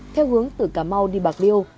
theo hướng từ cà mau đi bạc liêu